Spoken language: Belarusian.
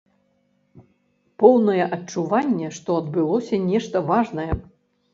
Поўнае адчуванне, што адбылося нешта важнае.